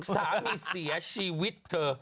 สามีเสียชีวิตเธอ